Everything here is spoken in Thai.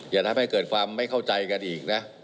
อย่าทำให้เกิดความไม่เข้าใจกันอีกนะ